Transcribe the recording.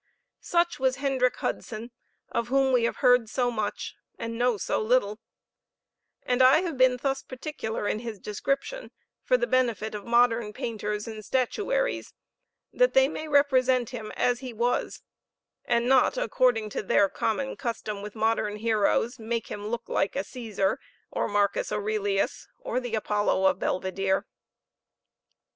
Such was Hendrick Hudson, of whom we have heard so much, and know so little; and I have been thus particular in his description, for the benefit of modern painters and statuaries, that they may represent him as he was; and not, according to their common custom with modern heroes, make him look like a Cæsar, or Marcus Aurelius, or the Apollo of Belvidere.